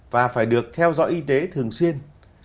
và phải được theo dõi y tế thường xuyên